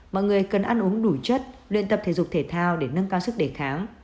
mọi người cần ăn uống đủ chất luyện tập thể dục thể thao để nâng cao sức đề kháng